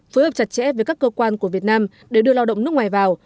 phối hợp chặt chẽ với các cơ quan của việt nam để đưa lao động nước ngoài vào